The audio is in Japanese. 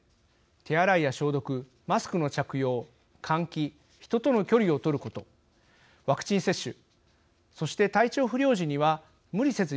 手洗いや消毒マスクの着用換気人との距離をとることワクチン接種そして体調不良時には無理せず休む。